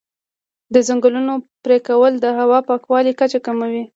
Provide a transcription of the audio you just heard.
د ځنګلونو پرېکول د هوا د پاکوالي کچه کموي.